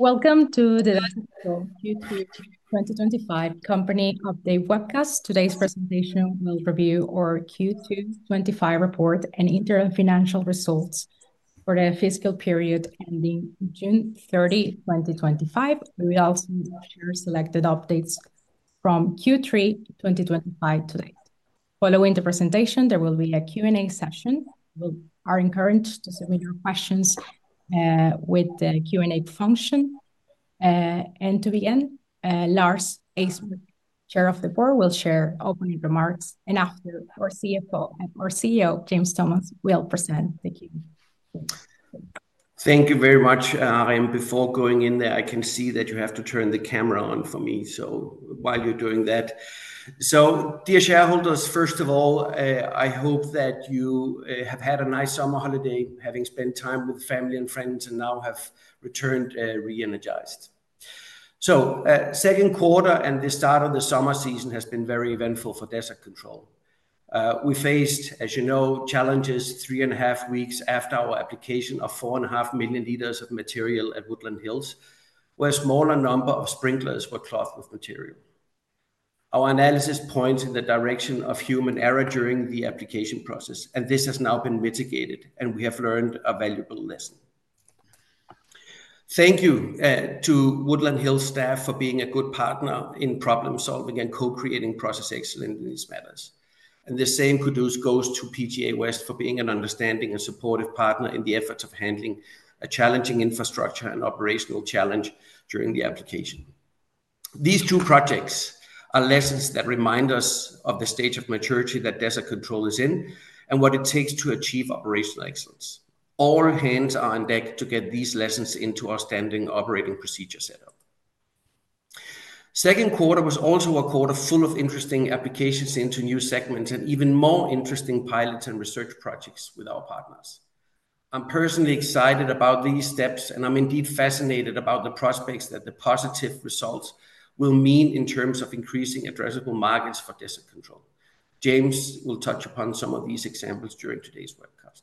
Welcome to the Desert Control Q2 2025 Company Update Webcast. Today's presentation will review our Q2 2025 report and interim financial results for the fiscal period ending June 30, 2025. We will also share selected updates from Q3 2025 to date. Following the presentation, there will be a Q&A session. You are encouraged to submit your questions with the Q&A function. To end, Lars Eismark, Chair of the Board, will share opening remarks, and after, our CEO, James Thomas, will present the key. Thank you very much. Before going in there, I can see that you have to turn the camera on for me. While you're doing that, dear shareholders, first of all, I hope that you have had a nice summer holiday, having spent time with family and friends, and now have returned re-energized. Second quarter and the start of the summer season has been very eventful for Desert Control. We faced, as you know, challenges three and a half weeks after our application of 4.5 million L of material at Woodland Hills, where a smaller number of sprinklers were clogged with material. Our analysis points in the direction of human error during the application process, and this has now been mitigated, and we have learned a valuable lesson. Thank you to Woodland Hills staff for being a good partner in problem-solving and co-creating process excellence in these matters. The same kudos goes to PGA West for being an understanding and supportive partner in the efforts of handling a challenging infrastructure and operational challenge during the application. These two projects are lessons that remind us of the state of maturity that Desert Control is in and what it takes to achieve operational excellence. All hands are on deck to get these lessons into our standing operating procedure setup. Second quarter was also a quarter full of interesting applications into new segments and even more interesting pilots and research projects with our partners. I'm personally excited about these steps, and I'm indeed fascinated about the prospects that the positive results will mean in terms of increasing addressable margins for Desert Control. James will touch upon some of these examples during today's webcast.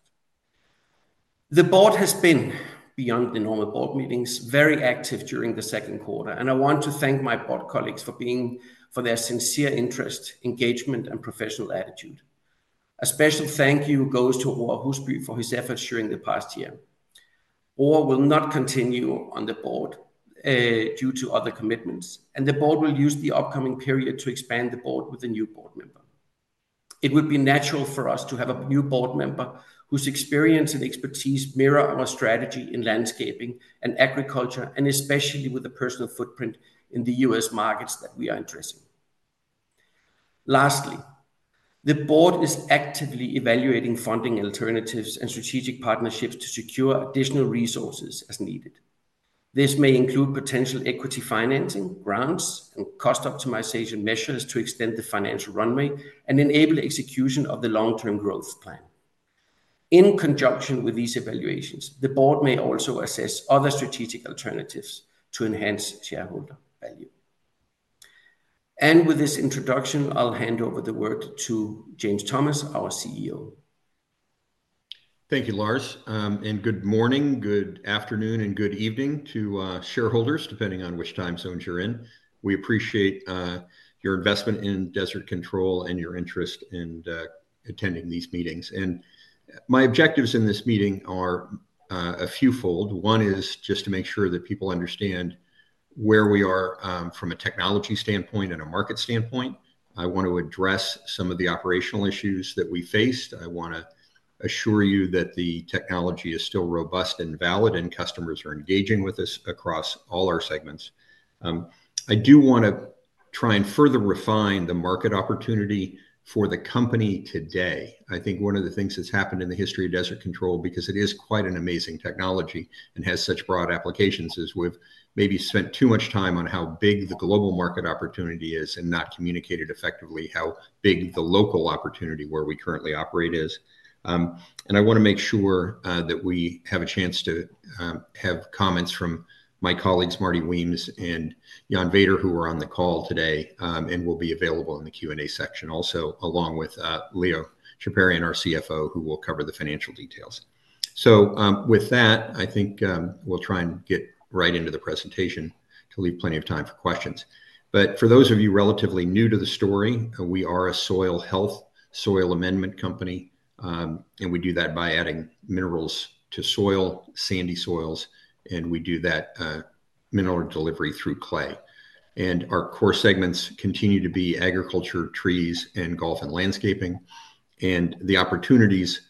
The board has been, beyond the normal board meetings, very active during the second quarter, and I want to thank my board colleagues for their sincere interest, engagement, and professional attitude. A special thank you goes to Roar Husby for his efforts during the past year. Roar will not continue on the board due to other commitments, and the board will use the upcoming period to expand the board with a new board member. It would be natural for us to have a new board member whose experience and expertise mirror our strategy in landscaping and agriculture, and especially with a personal footprint in the U.S. markets that we are addressing. Lastly, the board is actively evaluating funding alternatives and strategic partnerships to secure additional resources as needed. This may include potential equity financing, grants, and cost optimization measures to extend the financial runway and enable execution of the long-term growth plan. In conjunction with these evaluations, the board may also assess other strategic alternatives to enhance shareholder value. With this introduction, I'll hand over the word to James Thomas, our CEO. Thank you, Lars. Good morning, good afternoon, and good evening to shareholders, depending on which time zones you're in. We appreciate your investment in Desert Control and your interest in attending these meetings. My objectives in this meeting are a few-fold. One is just to make sure that people understand where we are from a technology standpoint and a market standpoint. I want to address some of the operational issues that we faced. I want to assure you that the technology is still robust and valid, and customers are engaging with us across all our segments. I do want to try and further refine the market opportunity for the company today. I think one of the things that's happened in the history of Desert Control, because it is quite an amazing technology and has such broad applications, is we've maybe spent too much time on how big the global market opportunity is and not communicated effectively how big the local opportunity where we currently operate is. I want to make sure that we have a chance to have comments from my colleagues Marty Weems and Jan Vader, who are on the call today and will be available in the Q&A section, also along with Leo Chaparian, our CFO, who will cover the financial details. With that, I think we'll try and get right into the presentation to leave plenty of time for questions. For those of you relatively new to the story, we are a soil health, soil amendment company, and we do that by adding minerals to soil, sandy soils, and we do that mineral delivery through clay. Our core segments continue to be agriculture, trees, and golf, and landscaping. The opportunities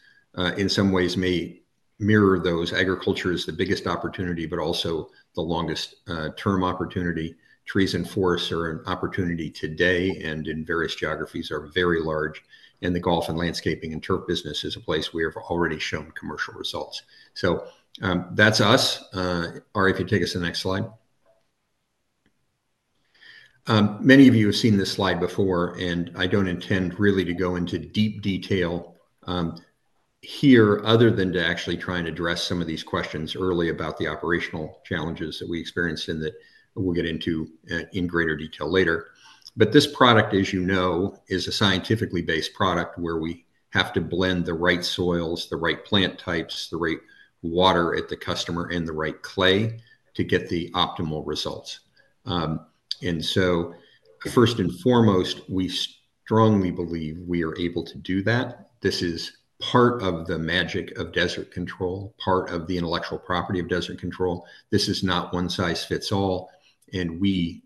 in some ways may mirror those. Agriculture is the biggest opportunity, but also the longest term opportunity. Trees and forests are an opportunity today, and in various geographies are very large. The golf and landscaping and turf business is a place we have already shown commercial results. That's us. Ari, if you take us to the next slide. Many of you have seen this slide before, and I don't intend really to go into deep detail here other than to actually try and address some of these questions early about the operational challenges that we experienced and that we'll get into in greater detail later. This product, as you know, is a scientifically based product where we have to blend the right soils, the right plant types, the right water at the customer, and the right clay to get the optimal results. First and foremost, we strongly believe we are able to do that. This is part of the magic of Desert Control, part of the intellectual property of Desert Control. This is not one size fits all, and we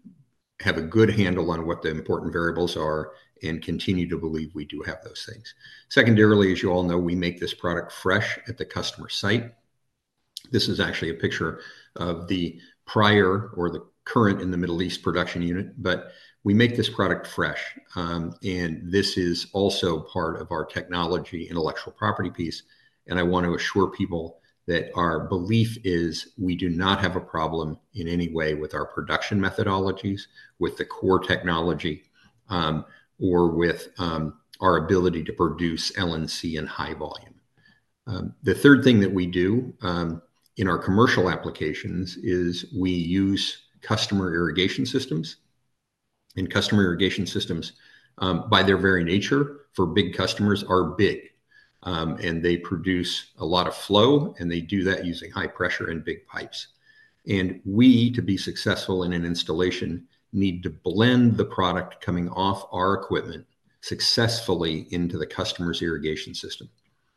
have a good handle on what the important variables are, and continue to believe we do have those things. Secondarily, as you all know, we make this product fresh at the customer site. This is actually a picture of the prior or the current in the Middle East production unit, but we make this product fresh. This is also part of our technology intellectual property piece. I want to assure people that our belief is we do not have a problem in any way with our production methodologies, with the core technology, or with our ability to produce LNC in high volume. The third thing that we do in our commercial applications is we use customer irrigation systems. Customer irrigation systems, by their very nature, for big customers, are big. They produce a lot of flow, and they do that using high pressure and big pipes. To be successful in an installation, we need to blend the product coming off our equipment successfully into the customer's irrigation system.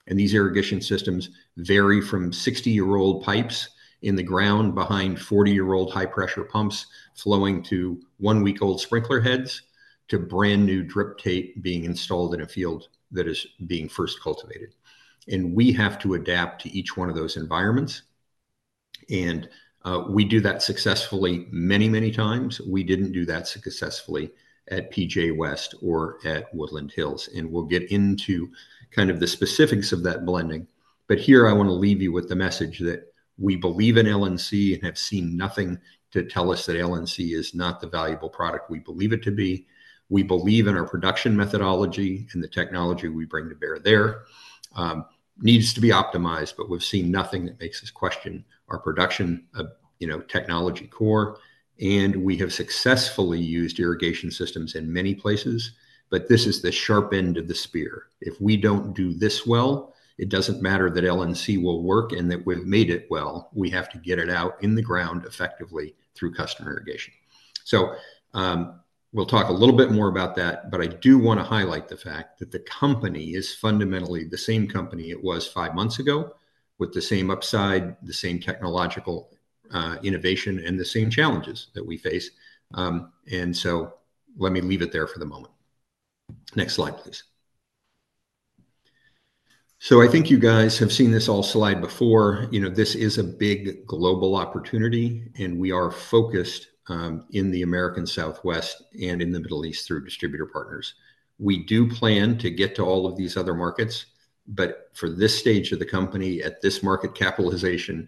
These irrigation systems vary from 60-year-old pipes in the ground behind 40-year-old high-pressure pumps flowing to one-week-old sprinkler heads to brand new drip tape being installed in a field that is being first cultivated. We have to adapt to each one of those environments, and we do that successfully many, many times. We didn't do that successfully at PGA West or at Woodland Hills. We'll get into the specifics of that blending. Here I want to leave you with the message that we believe in LNC and have seen nothing to tell us that LNC is not the valuable product we believe it to be. We believe in our production methodology and the technology we bring to bear there. It needs to be optimized, but we've seen nothing that makes us question our production technology core. We have successfully used irrigation systems in many places, but this is the sharp end of the spear. If we don't do this well, it doesn't matter that LNC will work and that we've made it well. We have to get it out in the ground effectively through customer irrigation. We'll talk a little bit more about that, but I do want to highlight the fact that the company is fundamentally the same company it was five months ago with the same upside, the same technological innovation, and the same challenges that we face. Let me leave it there for the moment. Next slide, please. I think you guys have seen this slide before. This is a big global opportunity, and we are focused in the American Southwest and in the Middle East through distributor partners. We do plan to get to all of these other markets, but for this stage of the company, at this market capitalization,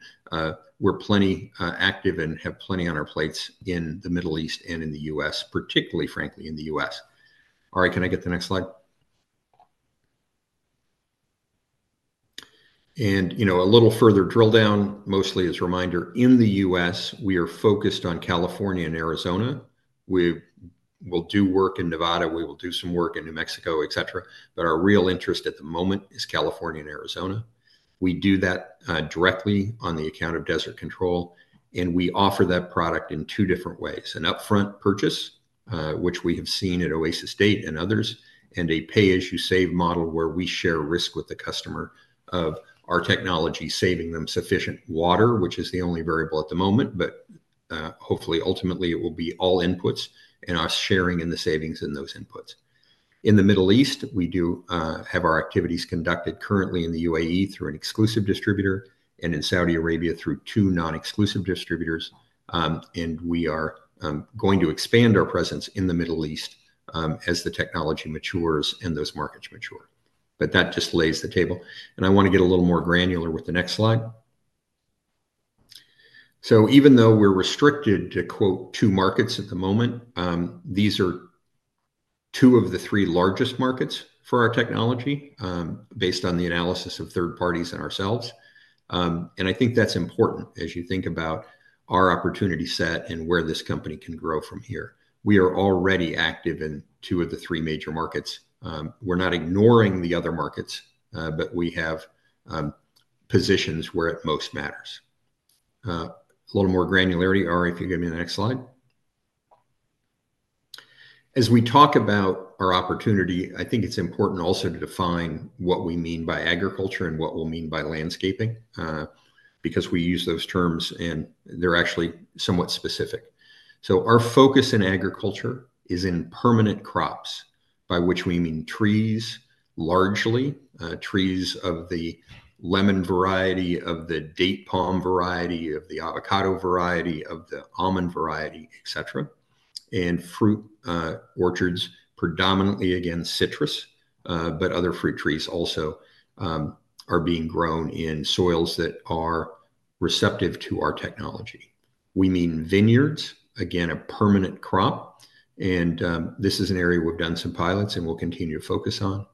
we're plenty active and have plenty on our plates in the Middle East and in the U.S., particularly, frankly, in the U.S. Ari, can I get the next slide? A little further drill down, mostly as a reminder, in the U.S., we are focused on California and Arizona. We will do work in Nevada. We will do some work in New Mexico, et cetera. Our real interest at the moment is California and Arizona. We do that directly on the account of Desert Control. We offer that product in two different ways: an upfront purchase, which we have seen at Oasis Date and others, and a pay-as-you-save model where we share risk with the customer of our technology saving them sufficient water, which is the only variable at the moment. Hopefully, ultimately, it will be all inputs and us sharing in the savings in those inputs. In the Middle East, we have our activities conducted currently in the UAE through an exclusive distributor and in Saudi Arabia through two non-exclusive distributors. We are going to expand our presence in the Middle East as the technology matures and those markets mature. That just lays the table. I want to get a little more granular with the next slide. Even though we're restricted to, quote, two markets at the moment, these are two of the three largest markets for our technology, based on the analysis of third parties and ourselves. I think that's important as you think about our opportunity set and where this company can grow from here. We are already active in two of the three major markets. We're not ignoring the other markets, but we have positions where it most matters. A little more granularity, Ari if you give me the next slide. As we talk about our opportunity, I think it's important also to define what we mean by agriculture and what we mean by landscaping, because we use those terms and they're actually somewhat specific. Our focus in agriculture is in permanent crops, by which we mean trees, largely, trees of the lemon variety, of the date palm variety, of the avocado variety, of the almond variety, etc., and fruit orchards, predominantly against citrus, but other fruit trees also, are being grown in soils that are receptive to our technology. We mean vineyards, again, a permanent crop. This is an area we've done some pilots and we'll continue to focus on.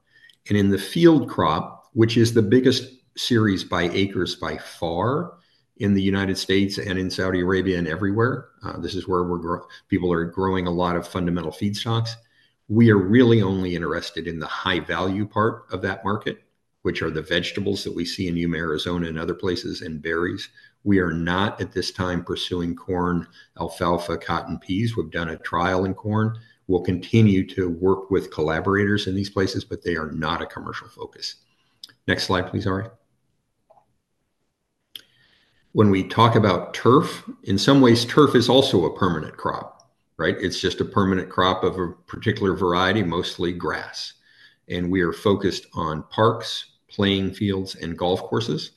In the field crop, which is the biggest series by acres by far in the United States and in Saudi Arabia and everywhere, this is where we're growing. People are growing a lot of fundamental feedstocks. We are really only interested in the high-value part of that market, which are the vegetables that we see in Yuma, Arizona, and other places, and berries. We are not at this time pursuing corn, alfalfa, cotton, peas. We've done a trial in corn. We'll continue to work with collaborators in these places, but they are not a commercial focus. Next slide, please, Ari. When we talk about turf, in some ways, turf is also a permanent crop, right? It's just a permanent crop of a particular variety, mostly grass. We are focused on parks, playing fields, and golf courses.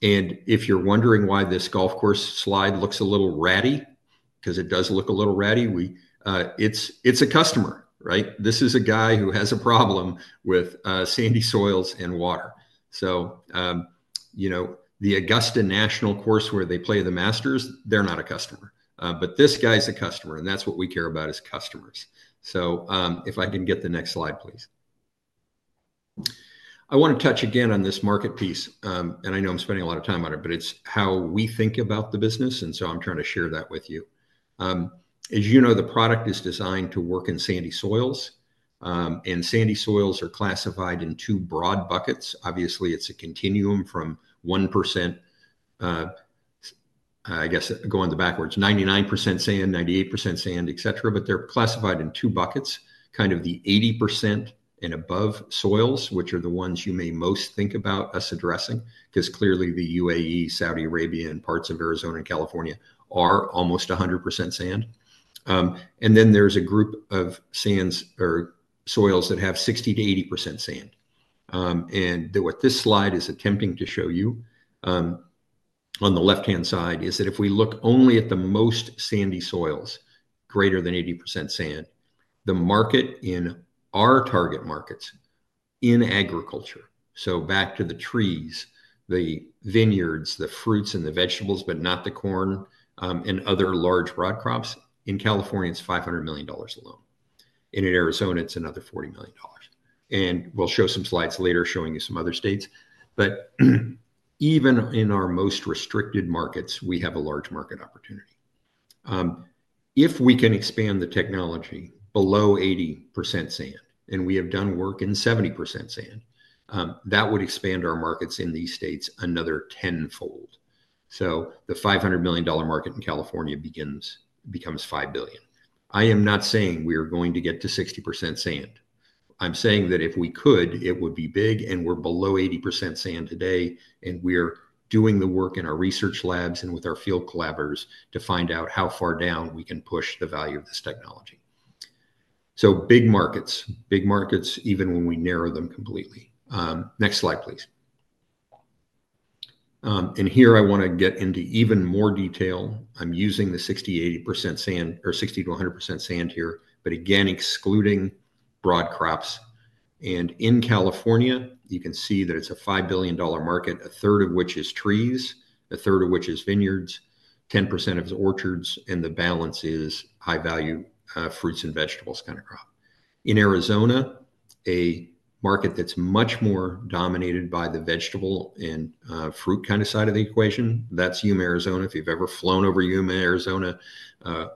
If you're wondering why this golf course slide looks a little ratty, because it does look a little ratty, it's a customer, right? This is a guy who has a problem with sandy soils and water. The Augusta National course where they play the Masters, they're not a customer, but this guy's a customer, and that's what we care about is customers. If I can get the next slide, please. I want to touch again on this market piece. I know I'm spending a lot of time on it, but it's how we think about the business. I'm trying to share that with you. As you know, the product is designed to work in sandy soils. Sandy soils are classified in two broad buckets. Obviously, it's a continuum from 1%, I guess going backwards, 99% sand, 98% sand, etc., but they're classified in two buckets, kind of the 80% and above soils, which are the ones you may most think about us addressing, because clearly the UAE, Saudi Arabia, and parts of Arizona and California are almost 100% sand. There is a group of sands or soils that have 60%-80% sand. What this slide is attempting to show you, on the left-hand side, is that if we look only at the most sandy soils, greater than 80% sand, the market in our target markets in agriculture, so back to the trees, the vineyards, the fruits, and the vegetables, but not the corn and other large row crops, in California, it's $500 million alone. In Arizona, it's another $40 million. We will show some slides later showing you some other states. Even in our most restricted markets, we have a large market opportunity. If we can expand the technology below 80% sand, and we have done work in 70% sand, that would expand our markets in these states another 10x. The $500 million market in California becomes $5 billion. I am not saying we are going to get to 60% sand. I am saying that if we could, it would be big, and we're below 80% sand today, and we're doing the work in our research labs and with our field collaborators to find out how far down we can push the value of this technology. Big markets, big markets, even when we narrow them completely. Next slide, please. Here I want to get into even more detail. I'm using the 60%-80% sand or 60%-100% sand here, but again, excluding broad crops. In California, you can see that it's a $5 billion market, a third of which is trees, a third of which is vineyards, 10% of the orchards, and the balance is high-value fruits and vegetables kind of crop. In Arizona, a market that's much more dominated by the vegetable and fruit kind of side of the equation, that's Yuma, Arizona. If you've ever flown over Yuma, Arizona,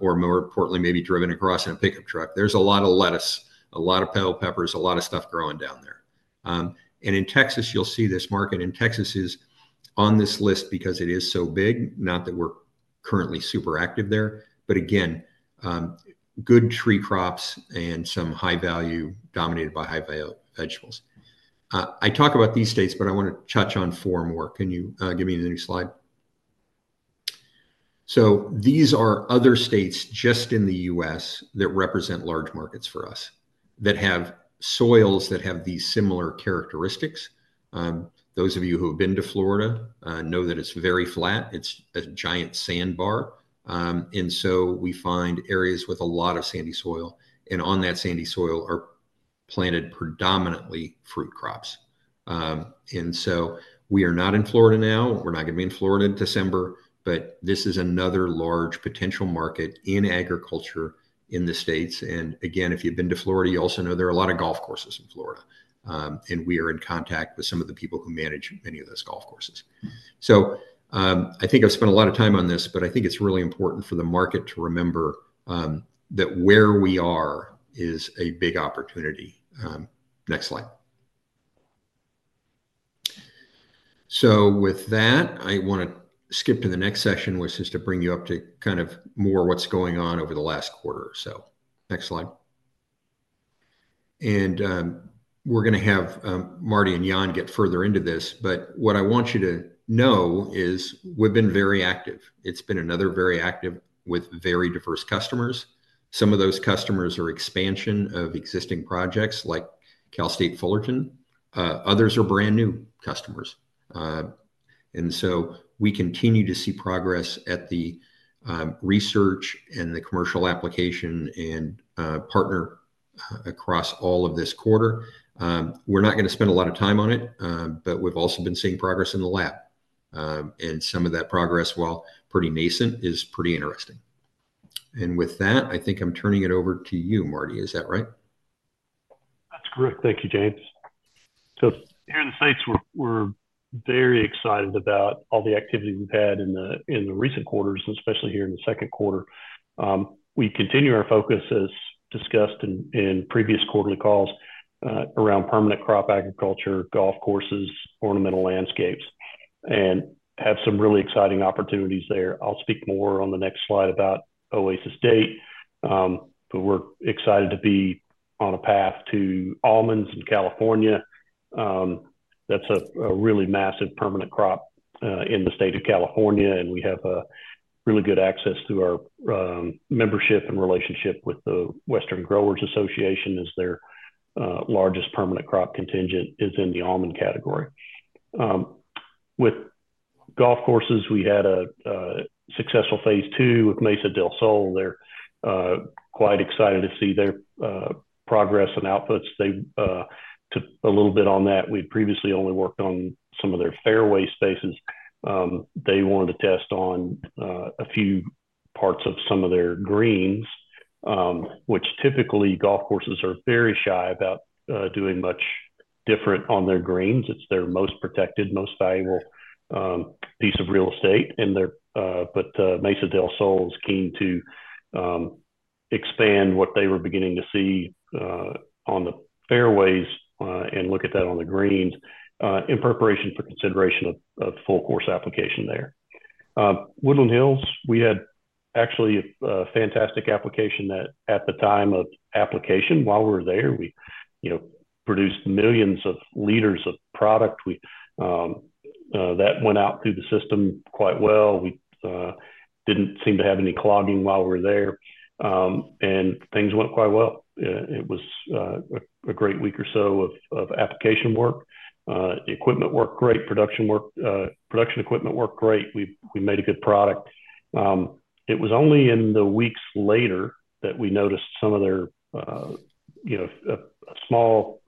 or more importantly, maybe driven across in a pickup truck, there's a lot of lettuce, a lot of peppers, a lot of stuff growing down there. In Texas, you'll see this market. Texas is on this list because it is so big, not that we're currently super active there, but again, good tree crops and some high value dominated by high-value vegetables. I talk about these states, but I want to touch on four more. Can you give me the next slide? These are other states just in the U.S. that represent large markets for us that have soils that have these similar characteristics. Those of you who have been to Florida know that it's very flat. It's a giant sandbar, and so we find areas with a lot of sandy soil, and on that sandy soil are planted predominantly fruit crops. We are not in Florida now. We're not going to be in Florida in December, but this is another large potential market in agriculture in the States. If you've been to Florida, you also know there are a lot of golf courses in Florida, and we are in contact with some of the people who manage many of those golf courses. I think I've spent a lot of time on this, but I think it's really important for the market to remember that where we are is a big opportunity. Next slide. With that, I want to skip to the next session, which is to bring you up to kind of more what's going on over the last quarter or so. Next slide. We're going to have Marty and Jan get further into this, but what I want you to know is we've been very active. It's been another very active quarter with very diverse customers. Some of those customers are expansion of existing projects like Cal State Fullerton; others are brand new customers. We continue to see progress at the research and the commercial application and partner across all of this quarter. We're not going to spend a lot of time on it, but we've also been seeing progress in the lab, and some of that progress, while pretty nascent, is pretty interesting. With that, I think I'm turning it over to you, Marty. Is that right? That's great. Thank you, James. Here in the United States, we're very excited about all the activity we've had in the recent quarters, especially here in the second quarter. We continue our focus, as discussed in previous quarterly calls, around permanent crop agriculture, golf courses, ornamental landscapes, and have some really exciting opportunities there. I'll speak more on the next slide about Oasis Dates, but we're excited to be on a path to almonds in California. That's a really massive permanent crop in the state of California, and we have really good access to our membership and relationship with the Western Growers Association, as their largest permanent crop contingent is in the almond category. With golf courses, we had a successful phase two with Mesa Del Sol. They're quite excited to see their progress and outputs. They took a little bit on that. We'd previously only worked on some of their fairway spaces. They wanted to test on a few parts of some of their greens, which typically golf courses are very shy about doing much different on their greens. It's their most protected, most valuable piece of real estate. Mesa Del Sol is keen to expand what they were beginning to see on the fairways and look at that on the greens in preparation for consideration of full course application there. Woodland Hills, we had actually a fantastic application that at the time of application, while we were there, we produced millions of liters of product. That went out through the system quite well. We didn't seem to have any clogging while we were there, and things went quite well. It was a great week or so of application work. Equipment worked great. Production equipment worked great. We made a good product. It was only in the weeks later that we noticed a small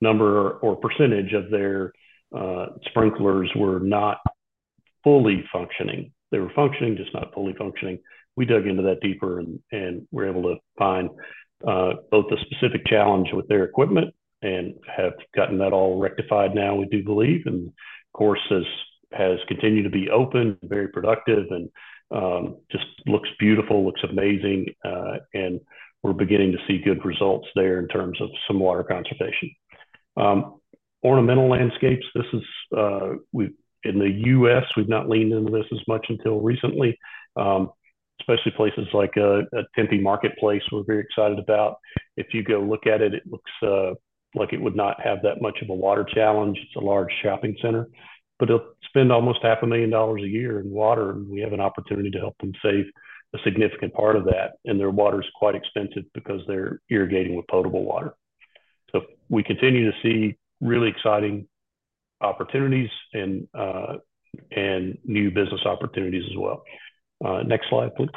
number or percentage of their sprinklers were not fully functioning. They were functioning, just not fully functioning. We dug into that deeper and were able to find both the specific challenge with their equipment and have gotten that all rectified now, we do believe. The course has continued to be open and very productive and just looks beautiful, looks amazing. We're beginning to see good results there in terms of some water conservation. Ornamental landscapes, we've in the U.S., we've not leaned into this as much until recently. Especially places like Tempe Marketplace we're very excited about. If you go look at it, it looks like it would not have that much of a water challenge. It's a large shopping center, but they'll spend almost $500,000 a year in water, and we have an opportunity to help them save a significant part of that. Their water is quite expensive because they're irrigating with potable water. We continue to see really exciting opportunities and new business opportunities as well. Next slide, please.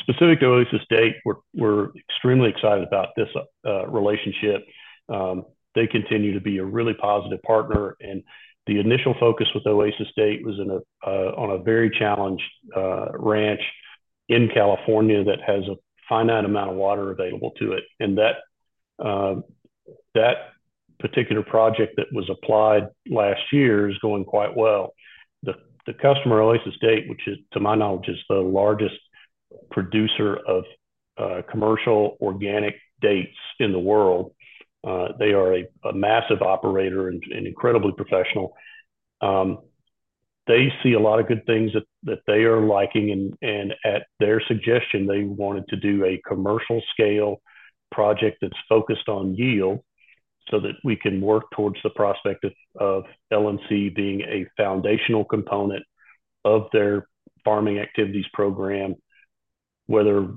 Specific to Oasis Dates, we're extremely excited about this relationship. They continue to be a really positive partner. The initial focus with Oasis Dates was on a very challenged ranch in California that has a finite amount of water available to it. That particular project that was applied last year is going quite well. The customer, Oasis Dates, which to my knowledge is the largest producer of commercial organic dates in the world, is a massive operator and incredibly professional. They see a lot of good things that they are liking, and at their suggestion, they wanted to do a commercial scale project that's focused on yield so that we can work towards the prospect of LNC being a foundational component of their farming activities program, whether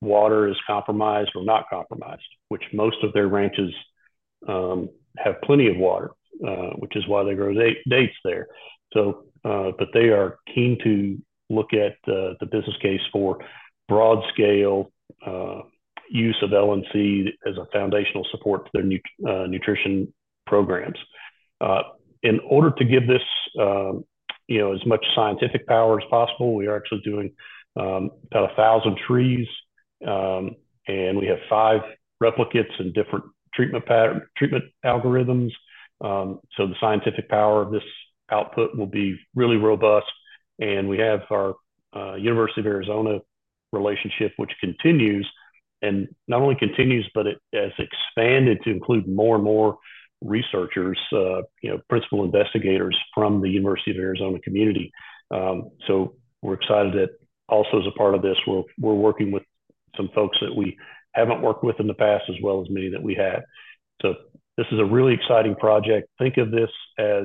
water is compromised or not compromised, which most of their ranches have plenty of water, which is why they grow dates there. They are keen to look at the business case for broad-scale use of LNC as a foundational support for their new nutrition programs. In order to give this as much scientific power as possible, we are actually doing about 1,000 trees, and we have five replicates in different treatment algorithms. The scientific power of this output will be really robust. We have our University of Arizona relationship, which continues, and not only continues, but it has expanded to include more and more researchers, principal investigators from the University of Arizona community. We're excited that also as a part of this, we're working with some folks that we haven't worked with in the past as well as many that we have. This is a really exciting project. Think of this as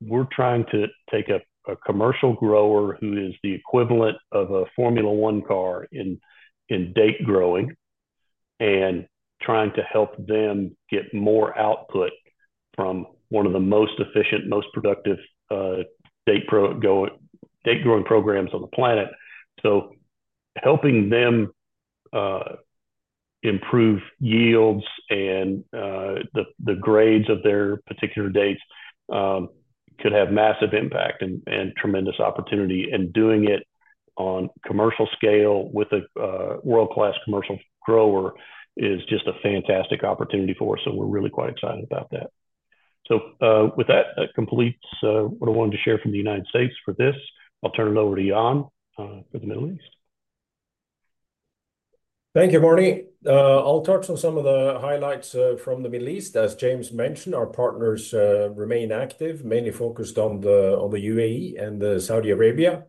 we're trying to take a commercial grower who is the equivalent of a Formula One car in date growing and trying to help them get more output from one of the most efficient, most productive date growing programs on the planet. Helping them improve yields and the grades of their particular dates could have massive impact and tremendous opportunity. Doing it on commercial scale with a world-class commercial grower is just a fantastic opportunity for us. We're really quite excited about that. That completes what I wanted to share from the United States for this. I'll turn it over to Jan for the Middle East. Thank you, Marty. I'll touch on some of the highlights from the Middle East. As James mentioned, our partners remain active, mainly focused on the UAE and Saudi Arabia.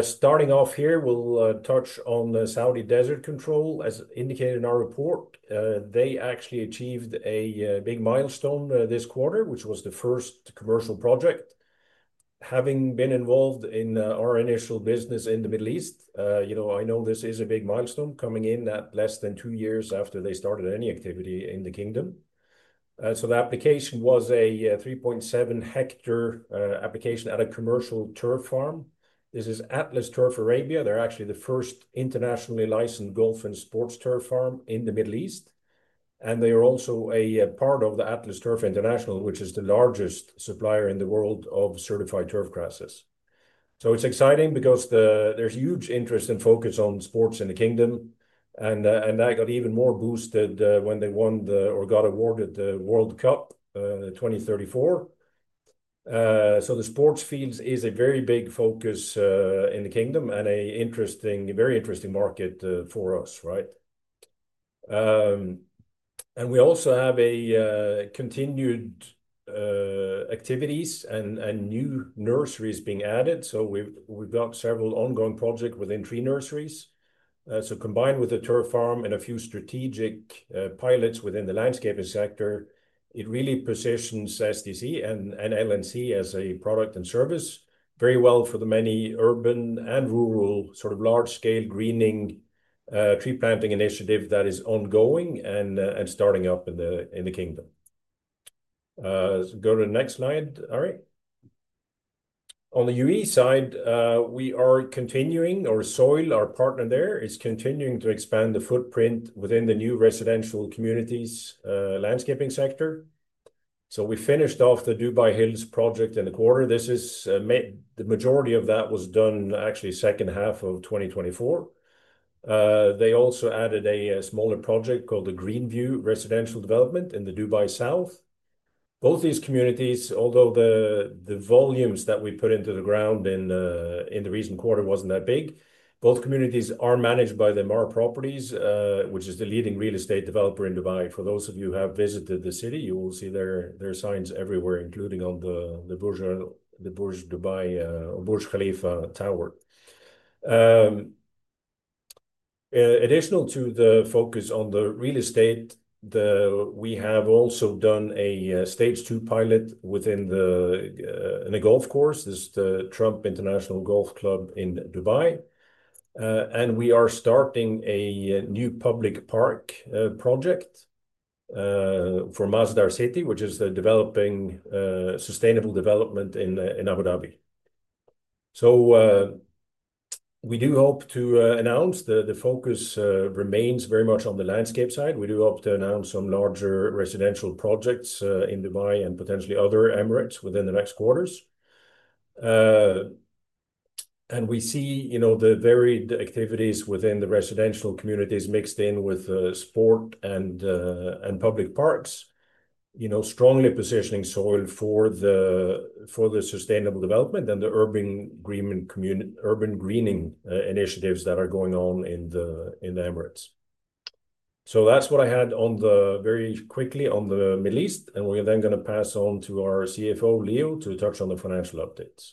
Starting off here, we'll touch on the Saudi Desert Control. As indicated in our report, they actually achieved a big milestone this quarter, which was the first commercial project. Having been involved in our initial business in the Middle East, I know this is a big milestone coming in at less than two years after they started any activity in the kingdom. The application was a 3.7-hectare application at a commercial turf farm. This is Atlas Turf Arabia. They're actually the first internationally licensed golf and sports turf farm in the Middle East. They are also a part of Atlas Turf International, which is the largest supplier in the world of certified turf grasses. It's exciting because there's huge interest and focus on sports in the kingdom. That got even more boosted when they won or got awarded the World Cup, 2034. The sports fields are a very big focus in the kingdom and an interesting, very interesting market for us, right? We also have continued activities and new nurseries being added. We've got several ongoing projects within three nurseries. Combined with the turf farm and a few strategic pilots within the landscaping sector, it really positions SDC and LNC as a product and service very well for the many urban and rural large-scale greening, tree planting initiatives that are ongoing and starting up in the kingdom. Go to the next slide, Ari. On the UAE side, we are continuing, or Soil, our partner there, is continuing to expand the footprint within the new residential communities, landscaping sector. We finished off the Dubai Hills project in the quarter. The majority of that was done actually second half of 2024. They also added a smaller project called the Green View Residential Development in Dubai South. Both these communities, although the volumes that we put into the ground in the recent quarter weren't that big, both communities are managed by Emaar Properties, which is the leading real estate developer in Dubai. For those of you who have visited the city, you will see their signs everywhere, including on the Burj Dubai or Burj Khalifa Tower. In addition to the focus on the real estate, we have also done a stage two pilot within the Trump International Golf Club in Dubai. We are starting a new public park project for Masdar City, which is developing sustainable development in Abu Dhabi. We do hope to announce that the focus remains very much on the landscape side. We do hope to announce some larger residential projects in Dubai and potentially other emirates within the next quarters. We see the varied activities within the residential communities mixed in with sport and public parks, strongly positioning soil for the sustainable development and the urban greening initiatives that are going on in the emirates. That's what I had very quickly on the Middle East, and we're going to pass on to our CFO, Leo, to touch on the financial updates.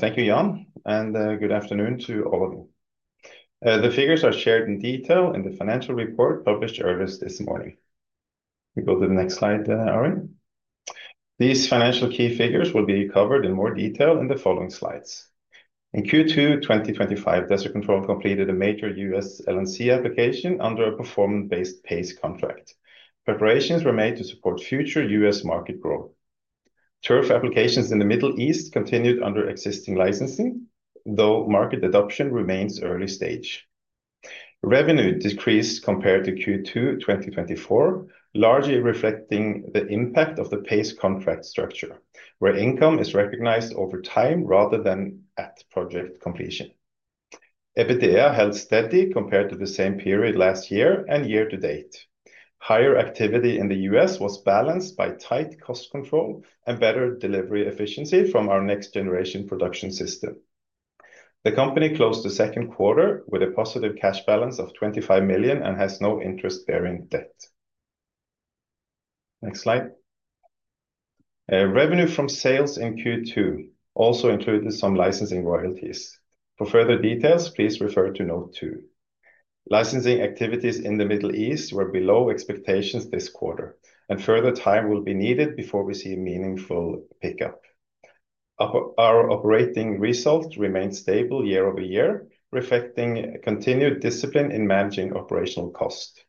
Thank you, Jan, and good afternoon to all of you. The figures are shared in detail in the financial report published earlier this morning. We go to the next slide, Ari. These financial key figures will be covered in more detail in the following slides. In Q2 2025, Desert Control completed a major U.S. LNC application under a performance-based PACE contract. Preparations were made to support future U.S. market growth. Turf applications in the Middle East continued under existing licensing, though market adoption remains early stage. Revenue decreased compared to Q2 2024, largely reflecting the impact of the PACE contract structure, where income is recognized over time rather than at project completion. EBITDA held steady compared to the same period last year and year to date. Higher activity in the U.S. was balanced by tight cost control and better delivery efficiency from our next-generation production system. The company closed the second quarter with a positive cash balance of 25 million and has no interest-bearing debt. Next slide. Revenue from sales in Q2 also included some licensing royalties. For further details, please refer to note two. Licensing activities in the Middle East were below expectations this quarter, and further time will be needed before we see a meaningful pickup. Our operating result remains stable year-over-year, reflecting continued discipline in managing operational costs.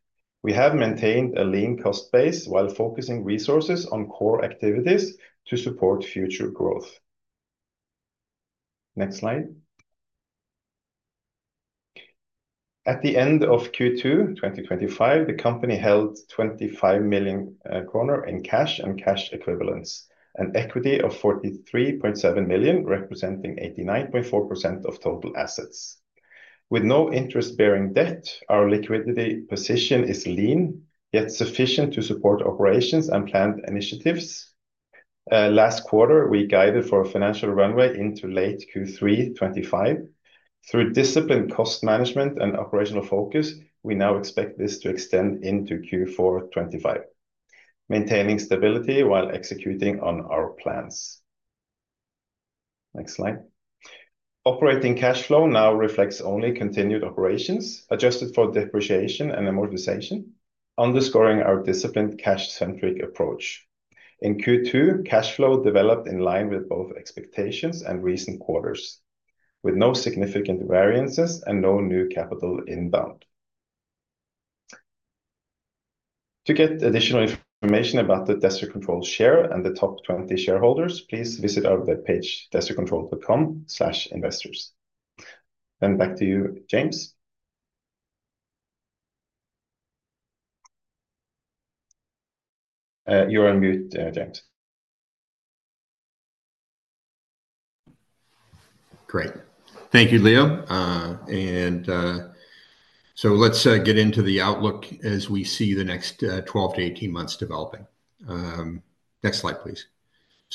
We have maintained a lean cost base while focusing resources on core activities to support future growth. Next slide. At the end of Q2 2025, the company held 25 million in cash and cash equivalents, an equity of 43.7 million, representing 89.4% of total assets. With no interest-bearing debt, our liquidity position is lean, yet sufficient to support operations and planned initiatives. Last quarter, we guided for a financial runway into late Q3 2025. Through disciplined cost management and operational focus, we now expect this to extend into Q4 2025, maintaining stability while executing on our plans. Next slide. Operating cash flow now reflects only continued operations, adjusted for depreciation and amortization, underscoring our disciplined cash-centric approach. In Q2, cash flow developed in line with both expectations and recent quarters, with no significant variances and no new capital inbound. To get additional information about the Desert Control share and the top 20 shareholders, please visit our webpage desertcontrol.com/investors. Back to you, James. You're on mute, James. Great.Thank you, Leo. Let's get into the outlook as we see the next 12-18 months developing. Next slide, please.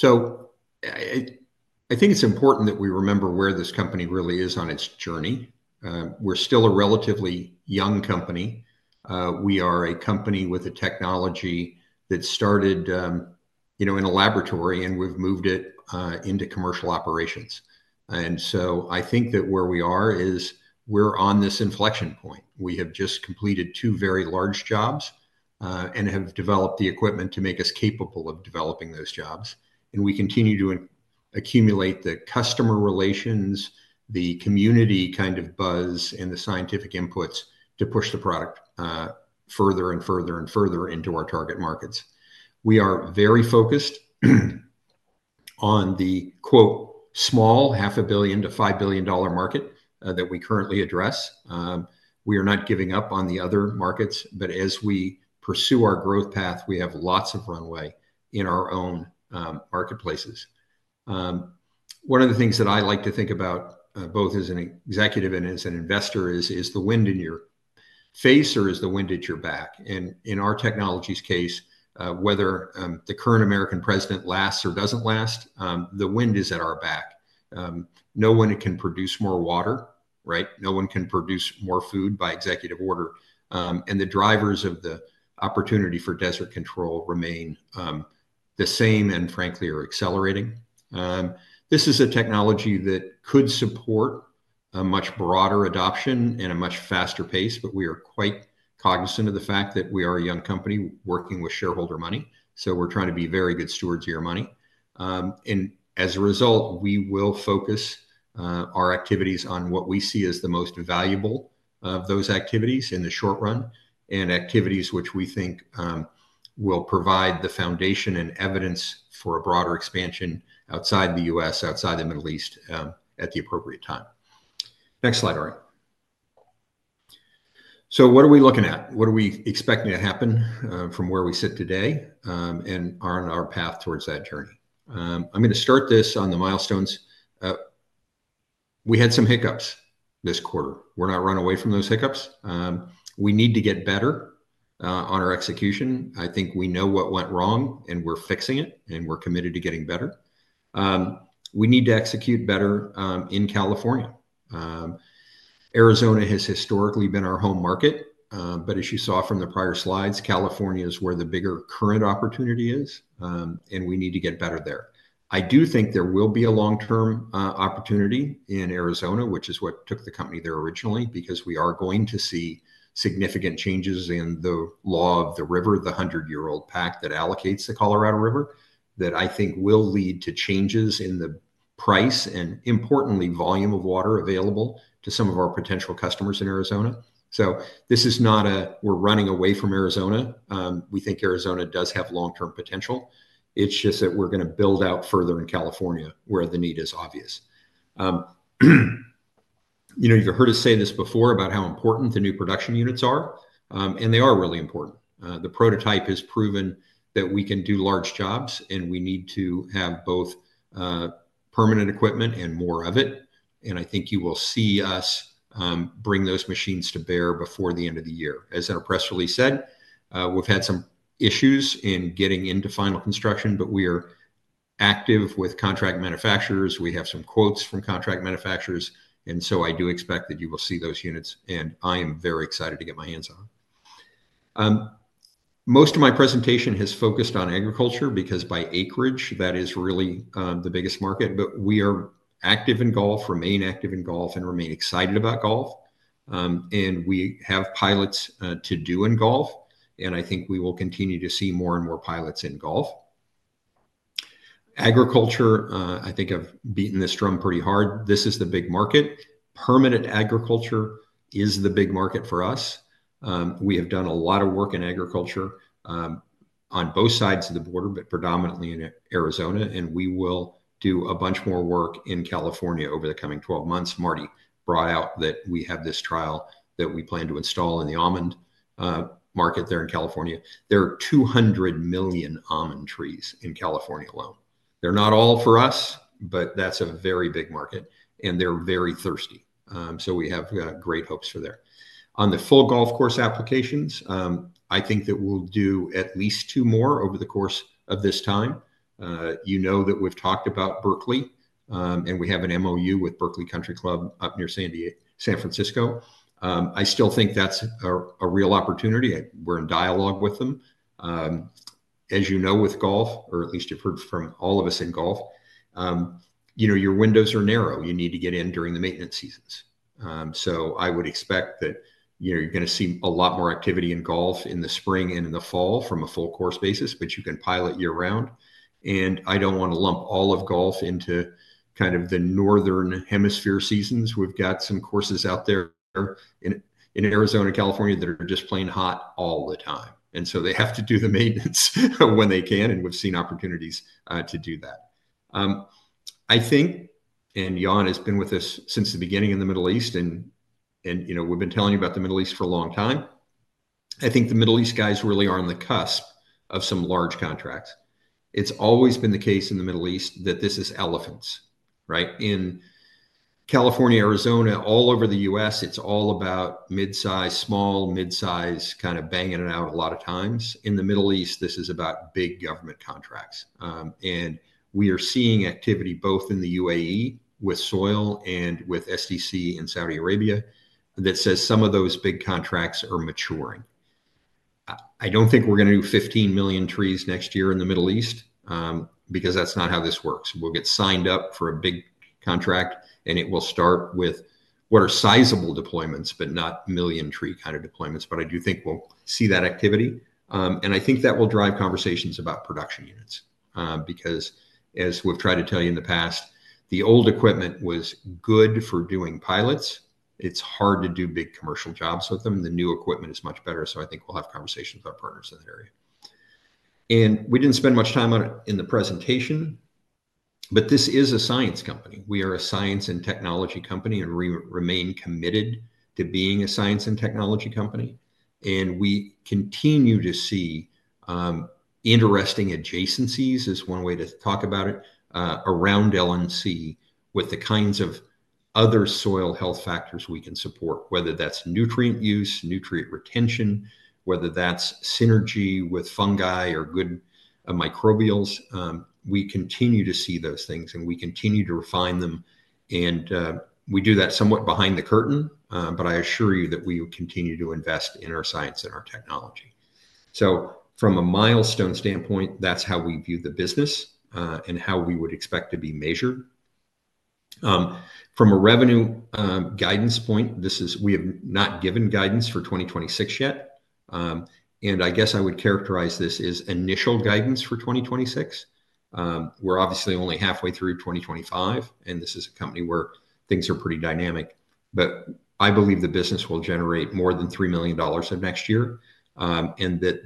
I think it's important that we remember where this company really is on its journey. We're still a relatively young company. We are a company with a technology that started in a laboratory, and we've moved it into commercial operations. I think that where we are is we're on this inflection point. We have just completed two very large jobs and have developed the equipment to make us capable of developing those jobs. We continue to accumulate the customer relations, the community kind of buzz, and the scientific inputs to push the product further and further and further into our target markets. We are very focused on the, quote, small $500 million-$5 billion market that we currently address. We are not giving up on the other markets, but as we pursue our growth path, we have lots of runway in our own marketplaces. One of the things that I like to think about, both as an executive and as an investor, is, is the wind in your face or is the wind at your back? In our technology's case, whether the current American president lasts or doesn't last, the wind is at our back. No one can produce more water, right? No one can produce more food by executive order. The drivers of the opportunity for Desert Control remain the same and frankly are accelerating. This is a technology that could support a much broader adoption and a much faster pace, but we are quite cognizant of the fact that we are a young company working with shareholder money. We're trying to be very good stewards of your money, and as a result, we will focus our activities on what we see as the most valuable of those activities in the short run and activities which we think will provide the foundation and evidence for a broader expansion outside the U.S., outside the Middle East, at the appropriate time. Next slide, Ari. What are we looking at? What are we expecting to happen from where we sit today and are on our path towards that journey? I'm going to start this on the milestones. We had some hiccups this quarter. We're not running away from those hiccups. We need to get better on our execution. I think we know what went wrong, and we're fixing it, and we're committed to getting better. We need to execute better in California. Arizona has historically been our home market. As you saw from the prior slides, California is where the bigger current opportunity is, and we need to get better there. I do think there will be a long-term opportunity in Arizona, which is what took the company there originally, because we are going to see significant changes in the law of the river, the 100-year-old pact that allocates the Colorado River, that I think will lead to changes in the price and, importantly, volume of water available to some of our potential customers in Arizona. This is not a, we're running away from Arizona. We think Arizona does have long-term potential. It's just that we're going to build out further in California where the need is obvious. You've heard us say this before about how important the new production units are, and they are really important. The prototype has proven that we can do large jobs, and we need to have both permanent equipment and more of it. I think you will see us bring those machines to bear before the end of the year. As our press release said, we've had some issues in getting into final construction, but we are active with contract manufacturers. We have some quotes from contract manufacturers, and I do expect that you will see those units, and I am very excited to get my hands on them. Most of my presentation has focused on agriculture because by acreage, that is really the biggest market. We are active in golf, remain active in golf, and remain excited about golf. We have pilots to do in golf, and I think we will continue to see more and more pilots in golf. Agriculture, I think I've beaten this drum pretty hard. This is the big market. Permanent crop agriculture is the big market for us. We have done a lot of work in agriculture on both sides of the border, but predominantly in Arizona. We will do a bunch more work in California over the coming 12 months. Marty brought out that we have this trial that we plan to install in the almond market there in California. There are 200 million almond trees in California alone. They're not all for us, but that's a very big market. They're very thirsty, so we have great hopes for there. On the full golf course applications, I think that we'll do at least two more over the course of this time. You know that we've talked about Berkeley, and we have an MOU with Berkeley Country Club up near San Francisco. I still think that's a real opportunity. We're in dialogue with them. As you know, with golf, or at least you've heard from all of us in golf, your windows are narrow. You need to get in during the maintenance seasons. I would expect that you're going to see a lot more activity in golf in the spring and in the fall from a full course basis, but you can pilot year-round. I don't want to lump all of golf into the northern hemisphere seasons. We've got some courses out there in Arizona, California, that are just playing hot all the time. They have to do the maintenance when they can, and we've seen opportunities to do that. I think, and Jan has been with us since the beginning in the Middle East, and we've been telling you about the Middle East for a long time. I think the Middle East guys really are on the cusp of some large contracts. It's always been the case in the Middle East that this is elephants, right? In California, Arizona, all over the U.S., it's all about mid-sized, small, mid-sized kind of banging it out a lot of times. In the Middle East, this is about big government contracts. We are seeing activity both in the UAE with Soil and with SDC in Saudi Arabia that says some of those big contracts are maturing. I don't think we're going to do 15 million trees next year in the Middle East, because that's not how this works. We'll get signed up for a big contract, and it will start with what are sizable deployments, but not million tree kind of deployments. I do think we'll see that activity. I think that will drive conversations about production units, because as we've tried to tell you in the past, the old equipment was good for doing pilots. It's hard to do big commercial jobs with them. The new equipment is much better. I think we'll have conversations about partners in that area. We didn't spend much time on it in the presentation, but this is a science company. We are a science and technology company, and we remain committed to being a science and technology company. We continue to see interesting adjacencies is one way to talk about it, around LNC with the kinds of other soil health factors we can support, whether that's nutrient use, nutrient retention, whether that's synergy with fungi or good microbials. We continue to see those things, and we continue to refine them. We do that somewhat behind the curtain, but I assure you that we will continue to invest in our science and our technology. From a milestone standpoint, that's how we view the business, and how we would expect to be measured. From a revenue guidance point, we have not given guidance for 2026 yet. I would characterize this as initial guidance for 2026. We're obviously only halfway through 2025, and this is a company where things are pretty dynamic. I believe the business will generate more than $3 million next year, and that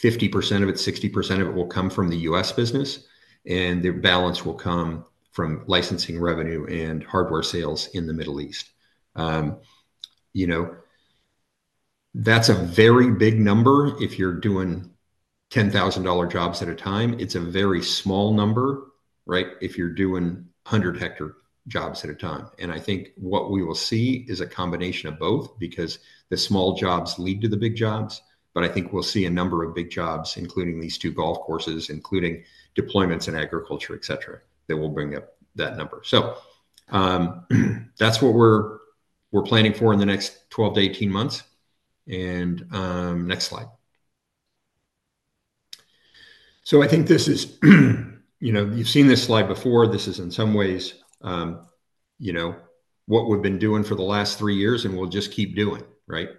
50%-60% of it will come from the U.S. business, and the balance will come from licensing revenue and hardware sales in the Middle East. That's a very big number if you're doing $10,000 jobs at a time. It's a very small number if you're doing 100-hectare jobs at a time. I think what we will see is a combination of both because the small jobs lead to the big jobs. I think we'll see a number of big jobs, including these two golf courses, including deployments in agriculture, et cetera, that will bring up that number. That's what we're planning for in the next 12-18 months. Next slide. I think this is, you know, you've seen this slide before. This is in some ways what we've been doing for the last three years, and we'll just keep doing, right?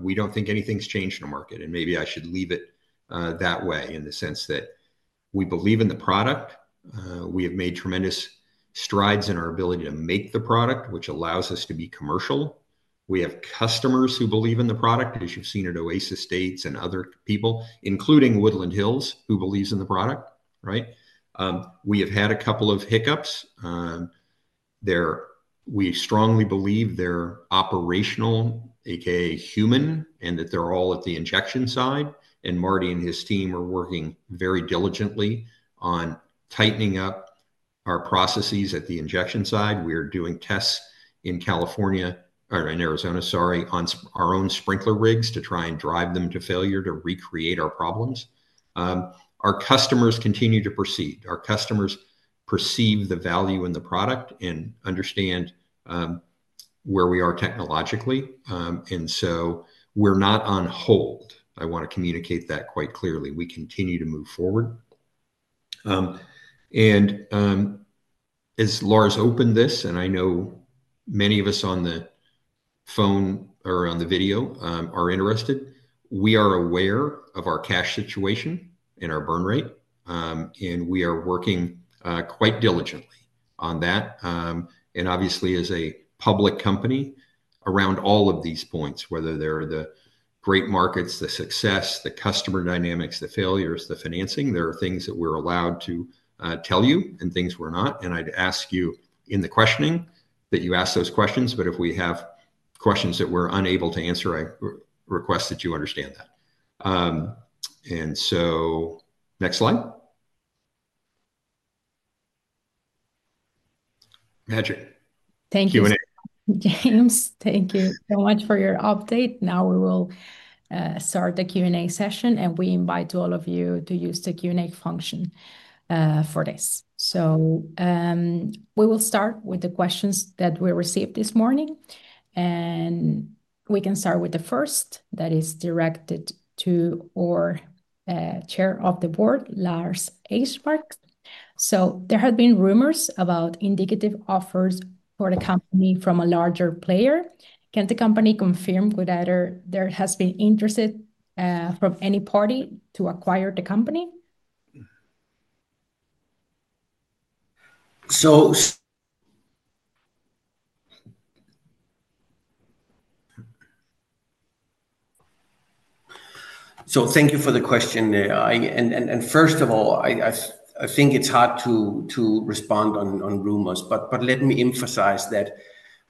We don't think anything's changed in the market, and maybe I should leave it that way in the sense that we believe in the product. We have made tremendous strides in our ability to make the product, which allows us to be commercial. We have customers who believe in the product, as you've seen at Oasis Dates and other people, including Woodland Hills, who believes in the product. We have had a couple of hiccups. We strongly believe they're operational, aka human, and that they're all at the injection side. Marty and his team are working very diligently on tightening up our processes at the injection side. We are doing tests in California, or in Arizona, sorry, on our own sprinkler rigs to try and drive them to failure to recreate our problems. Our customers continue to proceed. Our customers perceive the value in the product and understand where we are technologically. We're not on hold. I want to communicate that quite clearly. We continue to move forward. As Lars opened this, and I know many of us on the phone or on the video are interested, we are aware of our cash situation and our burn rate. We are working quite diligently on that. Obviously, as a public company, around all of these points, whether they're the great markets, the success, the customer dynamics, the failures, the financing, there are things that we're allowed to tell you and things we're not. I'd ask you in the questioning that you ask those questions, but if we have questions that we're unable to answer, I request that you understand that. Next slide. Thank you, James. Thank you so much for your update. Now we will start the Q&A session, and we invite all of you to use the Q&A function for this. We will start with the questions that we received this morning. We can start with the first that is directed to our Chair of the Board, Lars Eismark. There have been rumors about indicative offers for the company from a larger player. Can the company confirm whether there has been interest from any party to acquire the company? Thank you for the question. First of all, I think it's hard to respond on rumors, but let me emphasize that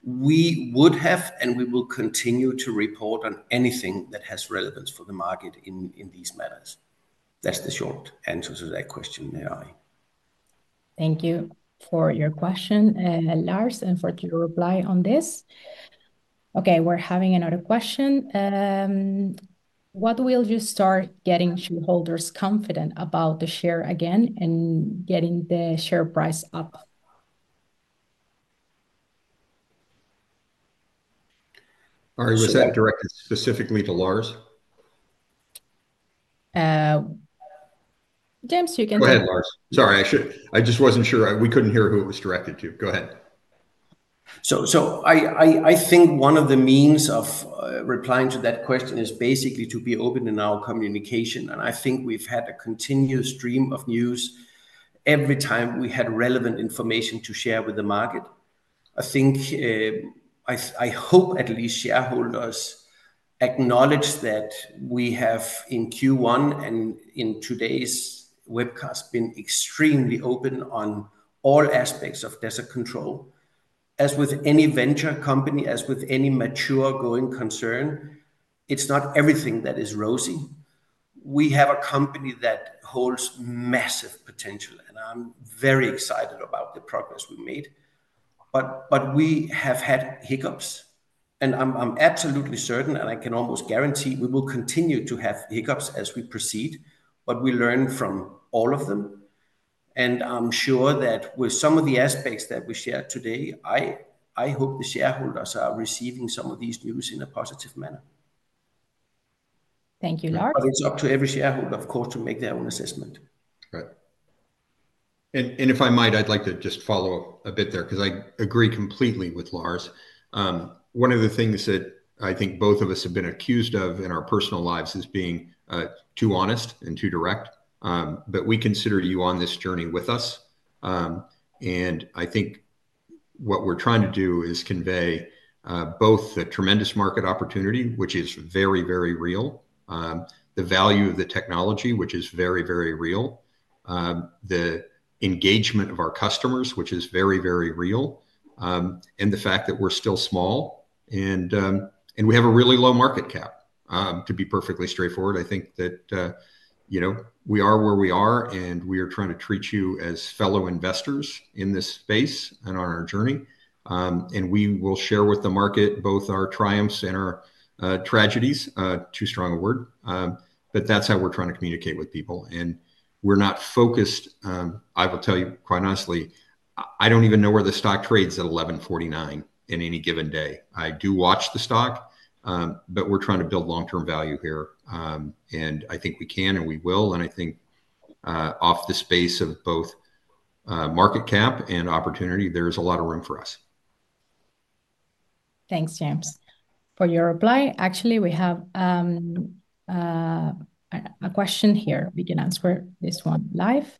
we would have, and we will continue to report on anything that has relevance for the market in these matters. That's the short answer to that question, Ari. Thank you for your question, Lars, and for your reply on this. Okay, we're having another question. When will you start getting shareholders confident about the share again and getting the share price up? Ari, was that directed specifically to Lars? James, you can go. Go ahead, Lars. Sorry, I just wasn't sure. We couldn't hear who it was directed to. Go ahead. I think one of the means of replying to that question is basically to be open in our communication. I think we've had a continuous stream of news every time we had relevant information to share with the market. I hope at least shareholders acknowledge that we have in Q1 and in today's webcast been extremely open on all aspects of Desert Control. As with any venture company, as with any mature growing concern, it's not everything that is rosy. We have a company that holds massive potential, and I'm very excited about the progress we made. We have had hiccups, and I'm absolutely certain, and I can almost guarantee we will continue to have hiccups as we proceed, but we learn from all of them. I'm sure that with some of the aspects that we shared today, I hope the shareholders are receiving some of these news in a positive manner. Thank you, Lars. It is up to every shareholder, of course, to make their own assessment. Right. If I might, I'd like to just follow up a bit there because I agree completely with Lars. One of the things that I think both of us have been accused of in our personal lives is being too honest and too direct. We considered you on this journey with us, and I think what we're trying to do is convey both the tremendous market opportunity, which is very, very real, the value of the technology, which is very, very real, the engagement of our customers, which is very, very real, and the fact that we're still small, and we have a really low market cap. To be perfectly straightforward, I think that, you know, we are where we are, and we are trying to treat you as fellow investors in this space and on our journey. We will share with the market both our triumphs and our tragedies—too strong a word, but that's how we're trying to communicate with people. We're not focused—I will tell you quite honestly, I don't even know where the stock trades at $11.49 in any given day. I do watch the stock, but we're trying to build long-term value here. I think we can, and we will, and I think, off the space of both market cap and opportunity, there's a lot of room for us. Thanks, James, for your reply. Actually, we have a question here. We can answer this one live.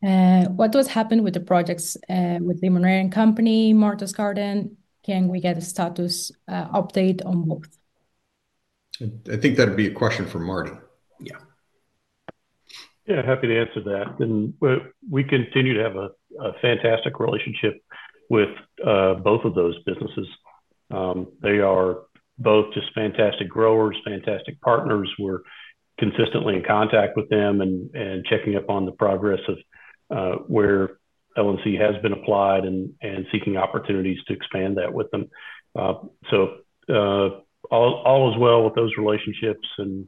What was happening with the projects, with the Limoneira Company, [Mortise Garden]? Can we get a status update on both? I think that would be a question for Marty. Yeah, happy to answer that. We continue to have a fantastic relationship with both of those businesses. They are both just fantastic growers, fantastic partners. We're consistently in contact with them and checking up on the progress of where LNC has been applied and seeking opportunities to expand that with them. All is well with those relationships. You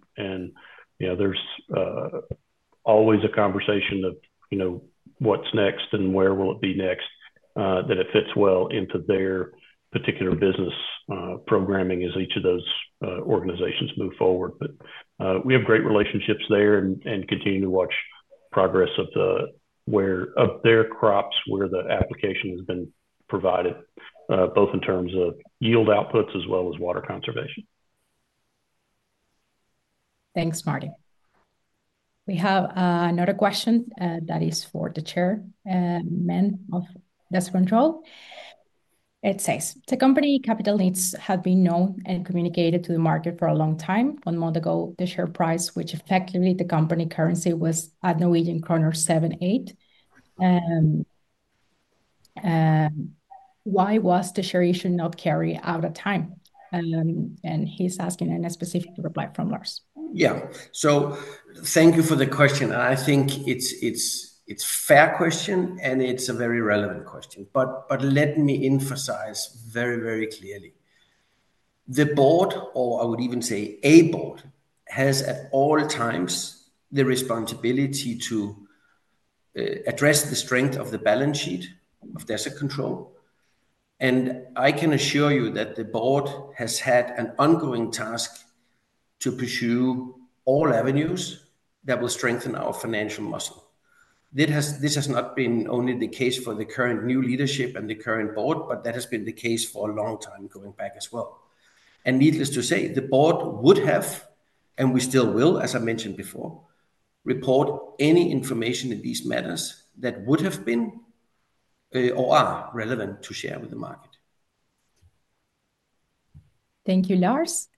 know, there's always a conversation of what's next and where will it be next, that it fits well into their particular business programming as each of those organizations move forward. We have great relationships there and continue to watch progress of their crops, where the application has been provided, both in terms of yield outputs as well as water conservation. Thanks, Marty. We have another question that is for the Chair of Desert Control. It says, the company capital needs have been known and communicated to the market for a long time. One month ago, the share price, which effectively the company currency, was at Norwegian kroner 78. Why was the share issue not carried out at that time? He's asking for a specific reply from Lars. Thank you for the question. I think it's a fair question, and it's a very relevant question. Let me emphasize very, very clearly. The board, or I would even say a board, has at all times the responsibility to address the strength of the balance sheet of Desert Control. I can assure you that the board has had an ongoing task to pursue all avenues that will strengthen our financial muscle. This has not been only the case for the current new leadership and the current board, but that has been the case for a long time going back as well. Needless to say, the board would have, and we still will, as I mentioned before, report any information in these matters that would have been, or are relevant to share with the market. Thank you, Lars.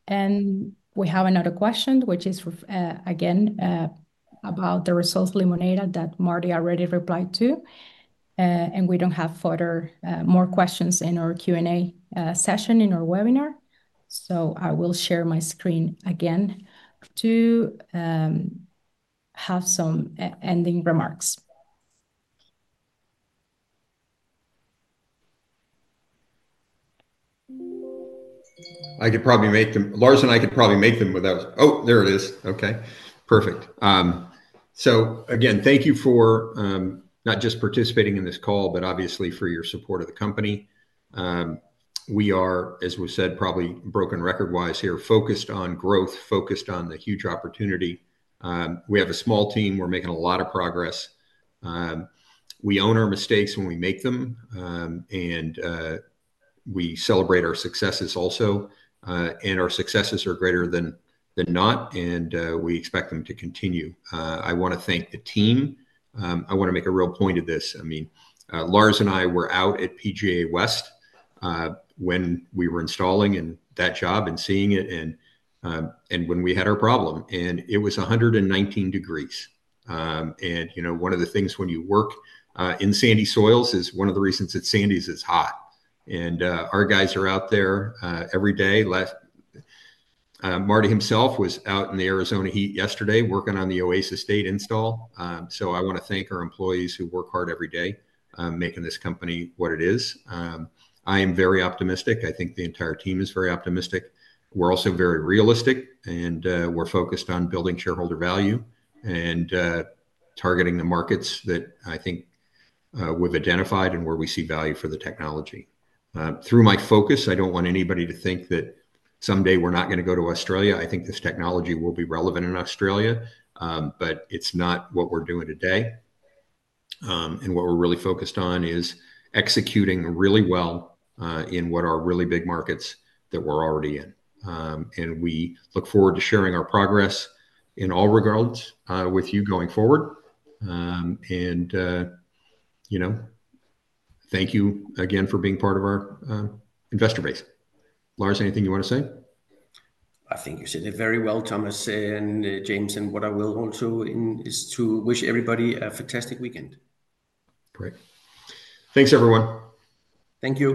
We have another question, which is, again, about the results Limoneira that Marty already replied to. We don't have further, more questions in our Q&A session in our webinar. I will share my screen again to have some ending remarks. I could probably make them. Lars and I could probably make them without. Oh, there it is. Okay. Perfect. Thank you for not just participating in this call, but obviously for your support of the company. We are, as we said, probably broken record-wise here, focused on growth, focused on the huge opportunity. We have a small team. We're making a lot of progress. We own our mistakes when we make them, and we celebrate our successes also. Our successes are greater than not, and we expect them to continue. I want to thank the team. I want to make a real point of this. I mean, Lars and I were out at PGA West when we were installing in that job and seeing it, and when we had our problem. It was 119 degrees, and you know, one of the things when you work in sandy soils is one of the reasons it's sandy is it's hot. Our guys are out there every day. Marty himself was out in the Arizona heat yesterday working on the Oasis Dates install. I want to thank our employees who work hard every day, making this company what it is. I am very optimistic. I think the entire team is very optimistic. We're also very realistic, and we're focused on building shareholder value and targeting the markets that I think we've identified and where we see value for the technology. Through my focus, I don't want anybody to think that someday we're not going to go to Australia. I think this technology will be relevant in Australia, but it's not what we're doing today. What we're really focused on is executing really well in what are really big markets that we're already in. We look forward to sharing our progress in all regards with you going forward, and thank you again for being part of our investor base. Lars, anything you want to say? I think you said it very well, James, and what I will also do is to wish everybody a fantastic weekend. Great. Thanks, everyone. Thank you.